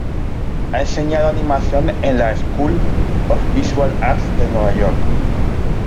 Ha enseñado animación en la School of Visual Arts de Nueva York.